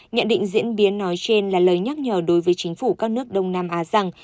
nhận định diễn biến nói trên là lời nhắc nhở đối với chính phủ các nước đông nam á rằng